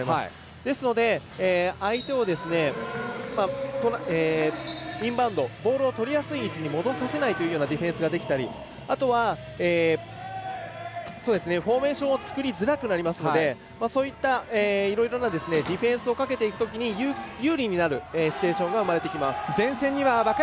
ですので、相手をインバウンドボールをとりやすい位置に戻させないというディフェンスができたり、フォーメーションを作りづらくなりますのでそういった、いろいろなディフェンスをかけていくときに有利になるシチュエーションが生まれてきます。